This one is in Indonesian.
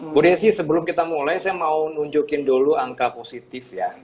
bu desi sebelum kita mulai saya mau nunjukin dulu angka positif ya